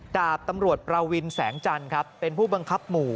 ดาบตำรวจประวินแสงจันทร์ครับเป็นผู้บังคับหมู่